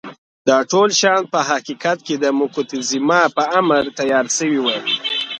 دا ټول شیان په حقیقت کې د موکتیزوما په امر تیار شوي وو.